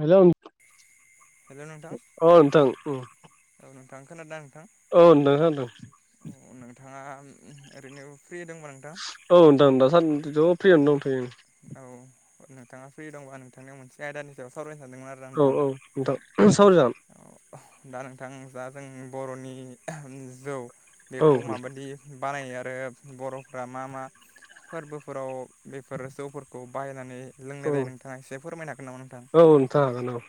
Hello hello नोंथां नोंथां अ नोंथां उम औ नोंथां खोनादोना नोंथां? औ नोंथां खोनादों। नोंथाङा ओरैनो फ्रि दंबा नोंथां औ नोंथां दा सानदिथ' फ्रियावनो दंथयो ओं। औ नोंथाङा फ्रि दंबा नोंथांनिआव मोनसे आयदानि सायाव सावरायनो सानदोंमोन आरोना औ नोंथां औ नोंथां सावराय जागोन। औ दा नोंथां दा जों बर'नि जौ औ बेखौ माबादि बानायो आरो बर'फ्रा मा मा फोरबो फोराव बेफोर जौफोरखौ बाहायनानै औ लोंनाय जायो नोंथाङा एसे फोरमायनो हागोन नामा नोंथां‌? औ नोंथां हागोन औ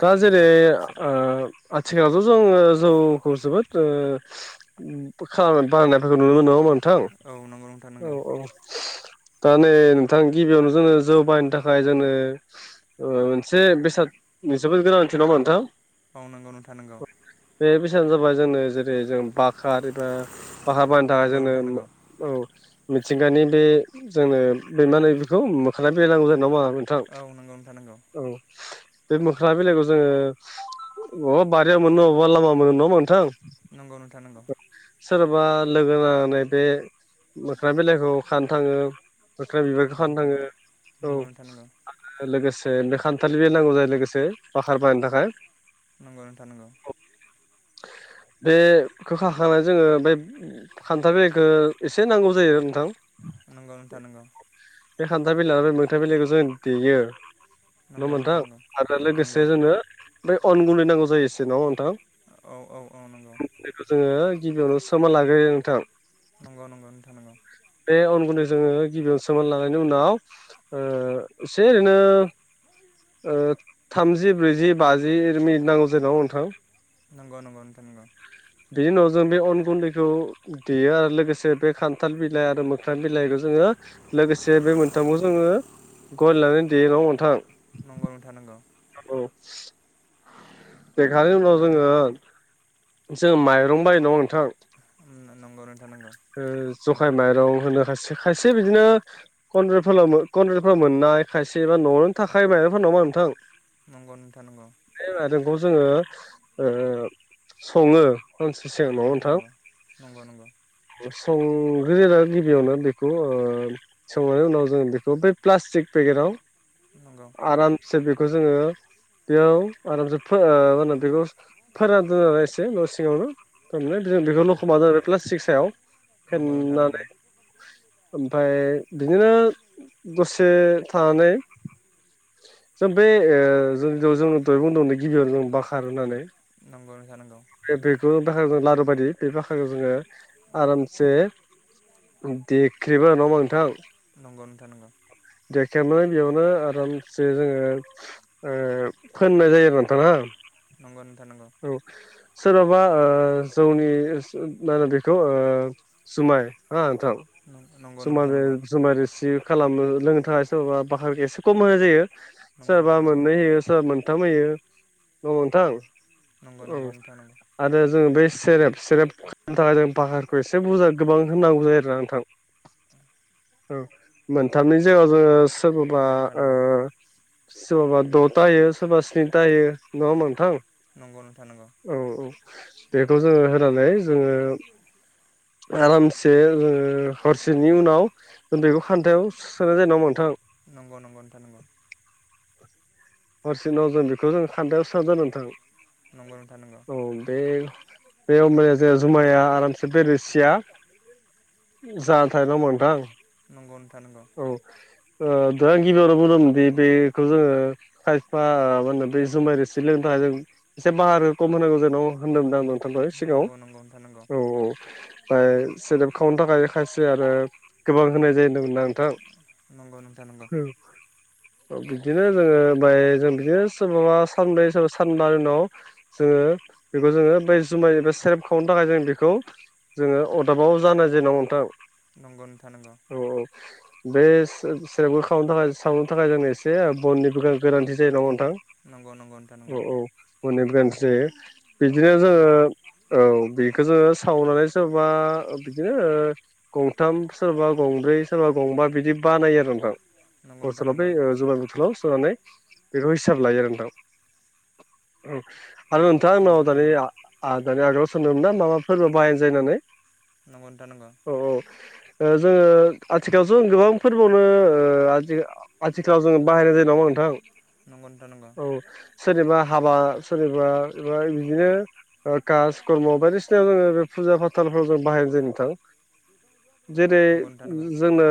दा जेरै ओ आथिखालावथ' जोङो जौखौ जोबोद ओ बोखा बानायनायफोरखौ नुनो मोन नोंथां औ नंगौ नोंथां नंगौ औ दा नै नोंथां गिबियावनो जोङो जौ बाहायनो थाखाय जोंनो मोनसे बेसादनि जोबोद गोनांथि नामा नोंथां। औ नंगौ नोंथां नंगौ। बे बैसागु जाबा जोङो जेरै जों बाक्रा एबा बाखार बानायनो थाखाय नंगौ नोंथां जोंनो नंगौ औ मिथिंगानि बे जोंनो बे मा होनो बेखौ मोखा बेरायनांगौ जा जादों नामा नोंथां औ नंगौ नोंथां नंगौ औ बे मोखोना बिलाइखौ जोङो बबेबा बारियाव मोनो बबेबा लामा मोनो नङा होनबा नोंथां। नंगौ नोंथां नंगौ सोरबा लोगो नांनानै बे मोखोना बिलाइखौ खानो थाङो मोखोना बिबार नंगौ थाङो नोंथां नंगौ औ नंगौ नोंथां नंगौ थाङो लोगोसे बे खान्थाल बिलाइ बे नांगौ जायो लोगोसे बाखार बाहायनो थाखाय। नंगौ नोंथां नंगौ। [inaudible] बेखौ खाखानानै जोङो बे खान्थाल बिलाइखौ एसे नांगौ जायो। नोंथां नंगौ नोंथां नंगौ। बे खान्थाल बिलाय आलो मोखोना बिलाइखौ जों देयो। नङा नंगौ नोंथां नंगौ आरो नंगौ लोगोसे जोंनो बै अन गुन्दै नांगौ जायो एसे नङा नोंथां औ औ औ नंगौ। बेखौ जोङो गिबियावनो सोमना लाग्रोयो नोंथां। नंगौ नंगौ नोंथां नंगौ। बे अन गुन्दै जोङो गिबियावनो सोमना लानायनि उनाव एसे ओरैनो थामजि ब्रैजि बाजि मिनिट नांगौ जेनबा नोंथां। नंगौ नगौ नोंथां नंगौ। बिनि उनाव जों बे अन गुन्दैखौ देयो आरो लोगोसे बे खान्थाल बिलाइ आरो मोखोना बिलाइखौ जोङो लोगोसे बे मोनथामखौ जोङो गल लानानै देयो नङा होनबा नोंथां। नंगौ नोंथां नंगौ। औ। देखांनायनि उनाव जोङो जों माइरं बायो नङा होनबा नोंथां। नंगौ नोंथां नांगौ। जखाय माइरं होनो खायसे खायसे बिदिनो कन्नेत कन्रेतफोराव मोननाय खायसे न'आवनो थाखायो माइरंफोर नङा होनबा नोंथां। नंगौ नोंथां नंगौ। बेखौ जोङो सङो। सानसे सिगां नंगौ नङा नोंथां नंगौ नंगौ नंगौ। संग्रोयो आरो गिबियावनो बेखौ संनायनि उनाव जोङो बेखौ बे प्लास्टिक पेकेटाव नंगौ आरामसे बेखौ जोङो बेयाव आरामसे मा होनो बेखौ फोरानदनानै आरो एसे न' सिङावनो। थारमान जों बेखौ लखबनानै दोनानै प्लासत्कि सायाव नंगौ नंगौ नोंथां फेनानै नंगौ ओमफ्राय बिदिनो दसे थानानै जों बे जोंयाव जों दहाय बुदोंमोन गिबियाव जों बोखारनानै नंगौ नोंथां नंगौ बेखौ। बाखा जों लारु बायदि बे बाखाखौ जोङो आरामसे देख्रेबा नङा होनबा नोंथां। नंगौ नोंथान नांगौ। देख्रेबनानै बेयावनो आरामसे जोङो फोननाय जायो आरो नोंथां नोंथां नंगौ औ सोरबाबा जौनि मा होनो बेखौ जुमाय हा नोंथां नंगौ जुमाय नोंथां नंगौ जुमाय रोसि खालामो लोंनो थाखाय सोरबा बाख्रा एसे खम होनाय जायो। नंगौ सोरबा नोंथां नंगौ मोननै होयो सोरबा मोनथाम होयो न होनबा नंगौ नोंथां औ नोंथां आरो जों बे सेरेप सेरेप खालामनो थाखाय जों बाहारखौ एसे बुरजा गोबां होननांगौ जायो आरोना नोंथां। औ मोनथामनि जायगायाव जोङो सोरखौबा नंगौ सोरबाबा द'था होयो सोरबा स्निथा होयो नङा होनबा नोंथां। नंगौ नोंथां नंगौ। औ बेखौ जोङो होनानै जोङो। आरामसे जों हरसेनि उनाव बेखौ खान्थायाव सोनाय जायो नामा नोंथां। नंगौ नंगौ नोंथां नंगौ। हरसे उनाव जों बेखौ जों खान्थायाव सोना दोनो नों थां नंगौ नोंथां नंगौ औ बे बे होमबानिया जोंना जुमाया आरामसे बे रोसिया जानथाया मोनथां। नंगौ नोंथां नंगौ औ ओ दा आं गिबियावनो बुंदोंमोनदि बेखौ जोङो खायफा मा होनो बै जुमाय रोसि लोंनो थाखाय जों एसे बाखारखो खम होनांगौ होनदोंमोन दां ना आं नोंथांखौ सिगाङाव नंगौ नंगौ नोंथां नंगौ औ औ। ओमफ्राय सेेरेप खावनो थाखाय खायसे आरो गोबां होनाय जायो होनदोंमोन ना। नंगौ नोंथां नंगौ। बिदिनो जोङो ओमफाय जों बिदिनो सोरबाबा सानब्रै सोरबा सानबानि उनाव जोङो बेखौ जोङो बै जुमाय एबा सेरेब खावनो थाखाय जों बेखौ जोङो अरदाबाव जानो जेन'बा नोंथां नंगौ नोंथां नंगौ औ बे से सेरेबखौ खावनो थाखाय सावनो थाखाय जोंनो एसे बननिबो गोनांथि जायो नङा होमबा नोंथां नंगौ नंगौ नोंथां औ नंगौ औ बननिबो गोन जे बिदिनो जोङो औ बेखौ जोङो सावनानै सोरबा बिदिनो ओ गंथाम सोरबा गंब्रै सोरबा गंबा बिदि बानायो आरो नोंथां नंगौ नंगौ नोंथां बथलाव बै नंगौ जुमाय बथलाव नानै बेखौ हिसाब लायो आरो नोंथां औ आरो नोंथाङा नंगौ आंनाव नोंथां दानि आ दानि आगोलाव सोंदोंमोन ना मा मा फोरबोआव बाहायनाय जायो होनानै नंगौ नोंथां नंगौ ओ जोङो आथिखालावथ' जों गोबां फोरबोआवनो ओ आथिखालाव जोङो बाहायनाय जायो नङा होमबा नोंथां नंगौ नोंथां नंगौ औ सोरनिबा हाबा सोरनिबा बिदिनो कास कर्म बायदिसिनायाव जोङो बे फुजा फाथाल जों बाहायनाय जायो नोंथां जेरै नंगौ नोंथां नंगौ जोंनो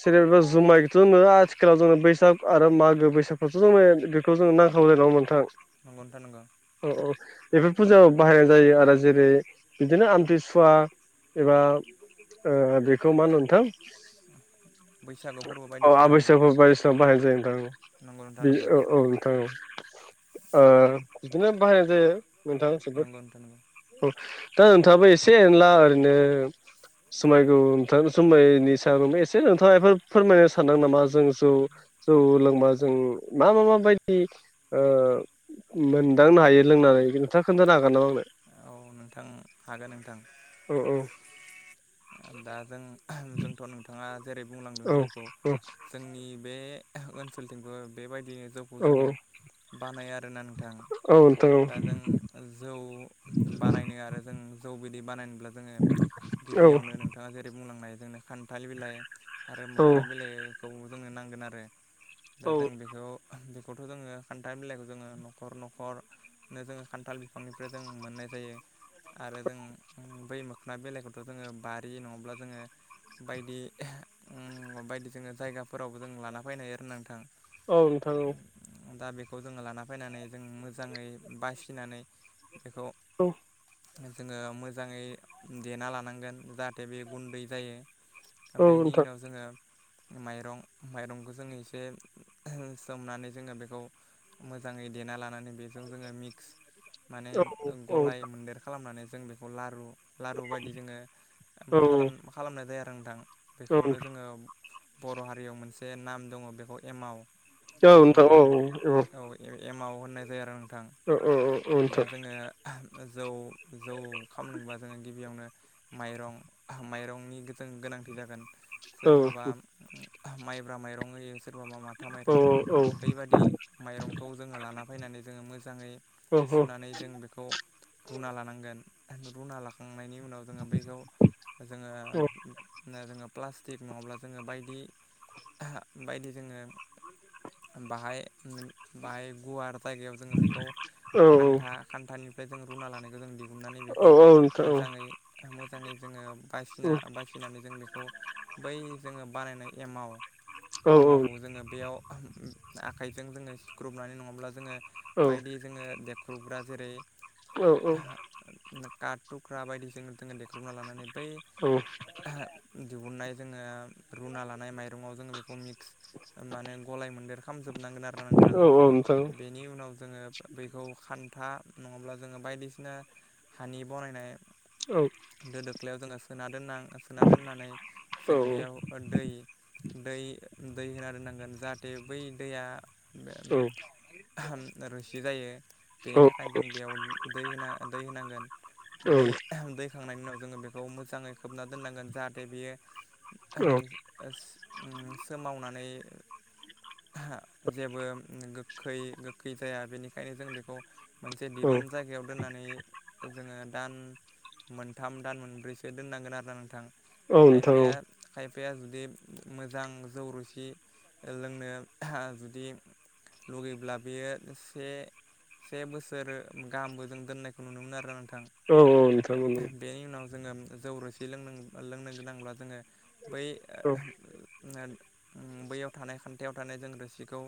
सेरेब बा जुमायखौथ' आथिखालाव जोङो बैसाग आरो मागो बैसागावथ' बेखौ जोंनो नांखागौ [unintelligible] नोंथां नंगौ नोंथां नंगौ औ औ बेफोर फुजायाव बाहायनाय जायो आरो जेरै बिदिनो आमथिसुवा एबा ओ बेखौ मा होनो नोंथां बैसागु फोरबो औ बायदिसिनायावबो [unintelligible] बायदिसिनायाव बाहायनाय जायो नोंथां नंगौ नोंथां बे नंगौ औ औ नोंथां औ ओ बिदिनो बाहायनाय जायो नोंथां‌‌ जोबोद नंगौ नोंथां नंगौ दा नोंथाङाबो एसे एनला ओरैनो जुमायखौ नोंथां जुमायनि सायाव एसे नोंथाङा एबा फोरमायनो सानदों नामा जों जौ जौ लोंबा जों जों मा मा माबायदि ओ मोनदांनो हायो लोंनानै नोंथाङा खोन्थानो हाग नामा आंनो औ नोंथां हागोन नोंथां औ दा जों जोंथ' नोंथाङा जेरै बुंलांदों जौखौ जोंनि बे ओनसोलथिंबो बेबायदिनो जौखौ जोङो बानायो आरोना नोंथां औ नोंथां औ दा जों जौ बानायनो आरो जों जौ बिदि बानायनोब्ला जोङो औ गिबियावनो नोंथाङा जेरै बुंलांनाय जोंनो खान्थाल बिलाइ आरो औ मोखोना बिलाइखौ जोंनो नांगोन आरो दा जों औ बेखौ खौथ' जोङो खान्थाल बिलाइखौ जोङो न'खर न'खर नो जोङो खान्थाल बिफांनिफ्राय जों मोननाय जायो आरो जों बै मोखोना बिलाइखौ जोङो बारि नङाब्ला जोङो बायदि उम बायदि जोङो जायगाफोरावबो जों लाना फैनो हायो आरो ना नोंथां औ नोंथां औ दा बेखौ जोङो लाना फैनानै जों मोजाङै बासिनानै बेखौ औ जोङो मोजाङै देना लानांगोन जाहाथे बे गुन्दै जायो औ बेनि नोंथां उनाव जोङो माइरं माइरंखौ जोङो एसे सोमनानै जोङो बेखौ मोजाङै देना लानानै बेजों जोङो मिक्स माने गलाय मोनदेर खालामनानै जों बेखौ लारु बिदि जोङो खालाम मा खालामनाय जाया आरो नोंथां बेखौनो जोङो बर' हारियाव मोनसे नाम दङ बेखौ एमाव औथ औ औ एम आव होननाय जायो आरो नोंथां औ औ दा नोंथां जोङो जौ जौ खामदोंबा जोङो गिबियावनो माइरं माइरंनि गोनांथि जागोन औ सोरबाबा माइब्रा माइरं होयो सोरबाबा माथा माइरं बैबादि माइरंखौ जोङो लाना फैनानै जोङो मोजाङै औ सुनानै जों बेखौ रुना लानांगोन रुना लाखांनायनि उनाव जोङो बैखौ औ जोङो जोङो प्ला स्टिक नङाब्ला जोङो बायदि बायदि जोङो बाहाय बाहाय गुवार जायगायाव जोङो बेखौ औ औ खान्था खान्थानि फ्राय जों रुना लानायखौ जों दिहुनन्नानै औ बेखौ नोंथां मोजाङै मोजाङै जोङो बायसिना बासिनानै जों बेखौ बै जोङो बानायनाय एमाव औ एमावखौ जोङो बेयाव आखाइजों जोङो सिख्रुबनानै नङाब्ला जोङो औ बायदि जोङो देख्रुबग्रा जेरै औ औ काट थुख्रा बायदिजों जोङो देख्रुबना लानानै बै औ दिहुननाय जोङो रुना लानाय माइरं आव जोङो बेखौ मिक्स माने गलाय मोन्देर खालामजोब हाबनांगोन आरोना नोंथां औ नोंथां बेनि उनाव जोङो बैखौ खान्था नङाब्ला जोङो बायदिसिना हानि बनायनाय औ दो दोख्लायाव जोङो सोना दोन सोना दोननानै जों बेयाव दै दै दै होना दोननांगोन जाहाथे बै दैया रुसि जायो बेनि थाखायनो जों बेयाव दै होना दै होनांगोन बै औ दैखांनायनि उनाव जोङो बेखौ मोजाङै खोबना दोननांगोन जाहाथे बियो ओं सोमावनानै जेबो गोखै गोखै जाया बेनिखायनो ओंखायनो जों बेखौ मोनसे दिदोम जायगायाव दोननानै जोङो दान मोनथाम दान मोनब्रैसो दोननांगोन आरोना नोंथां नोंथां खायफाया खायफा बिफाया जुदि मोजां जौ रुसि लोंनो जुदि लुुबैब्ला बेयो एसे से बोसोर गाहामबो जों दोननायखौ नुनो मोनो आरो नों औ औ नोंथां जोङो जौ रोसि लो लोंनो गोनांब्ला जोङो बै बैयाव थानाय खान्थायाव थानाय जों रोसिखौ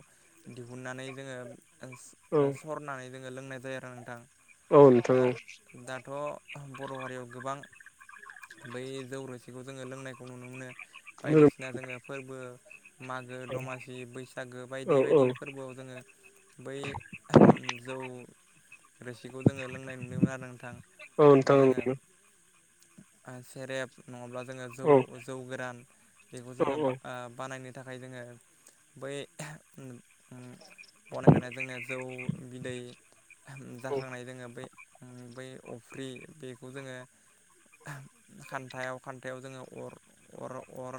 दिहुननानै जोङो सरनानै जोङो लोंनाय जायो आरो नोंथां औ दा नोंथां दाथ' बर' हारियाव गोबां [inaudible] बिखौ जोङो लोंनायखौ नुनो मोनो औ औ बायदिसिना जोङो फोरबो मागो दमासि बैसागो औ बायदि बायदि फोरबोआव जोङो बै जौ रोसिखौ जोङो लोंनाय नुदोंमोन आरो नोंथां [inaudible] ओ सेरेब नङाब्ला जोङो जौ जौ गोरान बेखौ जोङो ओ बानायनो थाखाय जोङो बै ओम बनायखानाय जोंनिया जौ बिदै जाखांनाय जोङो बै बै अफ्रि बेखौ जोङो खान्थायाव खान्थायाव जोङो अर अर अर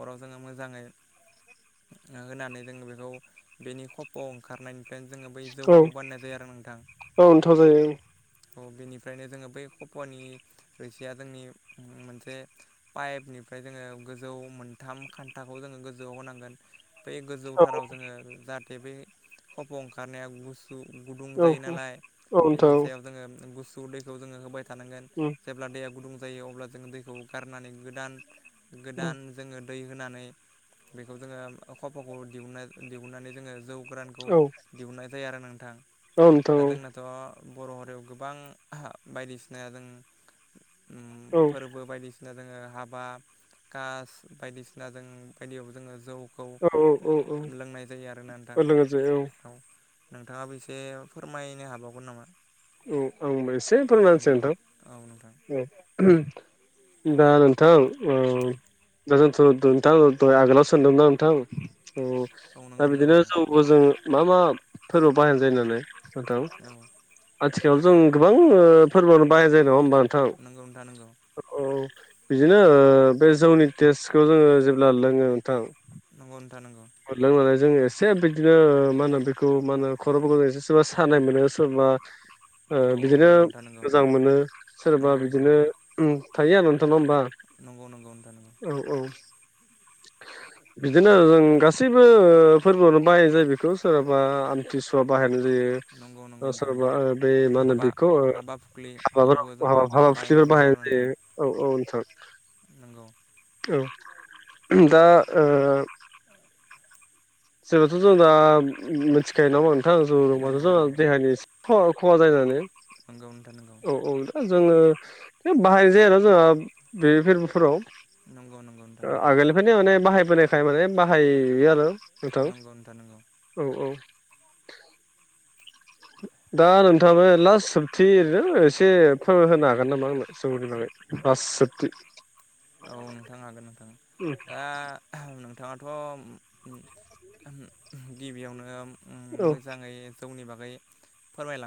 अराव जोङो मोजाङै [inaudible] होनानै जोङो बेखौ बेनि खफ'आव ओंखारनायनिफ्राय जोङो बै जौखौ बानायनाय जायो आरो नोंथां नोंथां जायो औ बेनिफ्रायनो जोङो बै खफ'नि रोसिया जोंनि मोनसे पाइपनिफ्राय जोङो गोजौ मोनथाम खान्थाखौ जोङो गोजौआव होनांगोन बै औ गोजौथाराव जोङो जाहाथे बै खफ' ओंखारनाया गु सु गुदुं जायो नालाय औ बेनि नोंथां सायाव औ जोङो गुसु दैखौ जोङो होबाय थानांगोन जेब्ला दैया गुदुं जायो अब्ला जोङो दैखौ गारनानै गोदान औ गोदान जोङो दै होनानै बेखौ जोङो खफ'खौ दिहुन दिहुननानै जोङो जौ गोरानखौ नोंथां दिहुननाय जायो आरो नोंथां दा औ जोंनाथ' बर' हारियाव गोबां बायदिसिना जों औ फोरबो बायदिसिना बायदिना जोङो हाबा कास बायदिसिना जों बायदियाव जोङो जौ खौ औ औ लोंनाय जायो आरोना औ लोगोसे औ नोंथां नोंथाङाबो एसे फोरमायनो हाबावगोन नामा औ आंबो एसे फोरमानोसै नोंथां नोंथां औ दा नोंथां दा दोनथ' दों नोंथां दहाय आगोलाव सोंदोंमोनना नोंथां औ नंगौ दा नोंथां बिदिनो नंगौ जौबो जों मा मा फोरबो बाहायनाय जायो नालाय नोंथां औ आथिखालाव जों गोबां फोरबोआवनो बाहाय जायो नङा होमबा नोंथां नंगौ नोंथां नंगौ औ बिदिनो बे जौनि टेस्थ खौ जोङो जेब्ला लोङो नोंथां नोंगौ नोंथां नोंगौ हरलोंनानै जोंङो एसे बिदिनो मा होनो बेखौ मा होनो खर'फोरखौ जों एसे सोरबा सानाय मोनो सोर बा ओ औ औ बिदिनो नंगौ नोंथां नंगौ मोजां मोनो सोरबा नंगौ नोंथां बिदिनो थायो आथ' नङा होमबा नंगौ नंगौ नोंथां नंगौ औ औ बिदिनो जों गा सैबो ओ फोरबोआवनो बाहायनाय जायो बेखौ सोरहाबा आमथिसुवा बाहायनाय यो नंगौ नंगौ ओ नोंथां सोरबा नंगौ बे मा होनो हाबा बेखौ हाबा फुख्लियावबो जों माबानाव हाबा बायनायखौ [unintelligible] नुयो बाहायनाय आरो नोंथां जायो औ औ नोंथां नंगौ औ दा ओ जेब्लाथ' जों दा मिथिखायो नामा नोंथां जौ लोबाथ' नंगौ नंगौ जोंहख देहानि खहा खहा जायो होनानै नंगौ नोंथां नंगौ जोङो बाहायनाय जायो आरो जोंहा बे फोरबोफोराव नंगौ नंगौ नोंथां नंगौ आगोलनिफ्रायनो माने बाहायबोनायखाय माने बाहाययो आरो नोंथां नंगौ नोंथां नंगौ औ औ दा नोंथाङा लास्ट सोबथि ओरैनो एसे होनो हागोन नामा आंनो जौनि बागै लास्थ औ जोबथि नोंथां हागोन नोंथां दा नोंथाङाथ' गिबियावनो उम औ मोजाङै जौनि बागै फोरमायलां